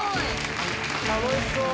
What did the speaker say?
楽しそう！